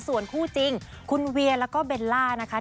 ส่วนคู่จริงคุณเวียแล้วก็เบลล่านะคะ